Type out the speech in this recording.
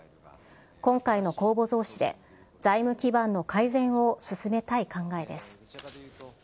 今回の公募増資で、財務基盤の改善を進めたい考えです。